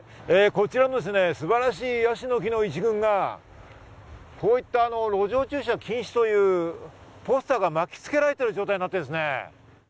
こちらあの素晴らしいヤシの木の一群がこういった「路上駐車禁止」というポスターが巻きつけられている状態になっているんですね。